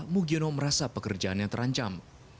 mugiono merasa pekerjaannya terancam